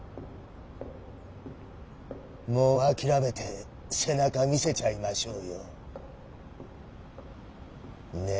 ・もう諦めて背中見せちゃいましょうよォ。